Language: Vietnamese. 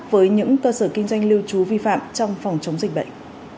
với những cơ sở kinh doanh lưu trú vi phạm trong phòng chống dịch bệnh